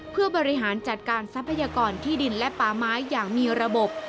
เพื่อบริหารจัดการทรัพยากรที่ดินและป่าไม้อย่างมีระบบ